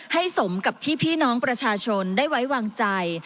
สมกับที่พี่น้องประชาชนได้ไว้วางใจ